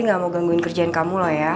enggak mau gangguin kerjaan kamu lo ya